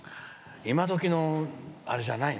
今どきのあれじゃないね。